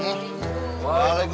nang cerita aja